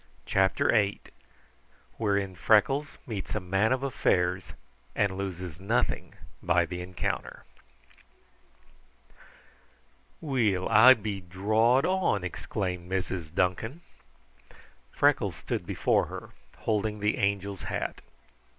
CHAPTER VIII Wherein Freckles Meets a Man of Affairs and Loses Nothing by the Encounter "Weel, I be drawed on!" exclaimed Mrs. Duncan. Freckles stood before her, holding the Angel's hat.